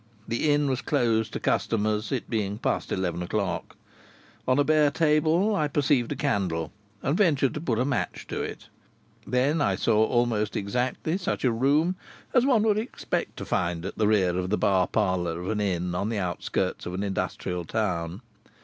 The inn was closed to customers, it being past eleven o'clock. On a bare table I perceived a candle, and ventured to put a match to it. I then saw almost exactly such a room as one would expect to find at the rear of the bar parlour of an inn on the outskirts of an industrial town.